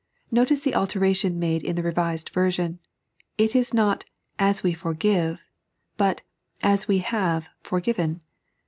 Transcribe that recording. Kotice the alteration made in the Revised Version ; it is not " As we forgive," but " As we kaoe forgiven."